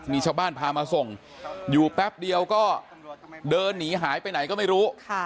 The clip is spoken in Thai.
มีชาวบ้านพามาส่งอยู่แป๊บเดียวก็เดินหนีหายไปไหนก็ไม่รู้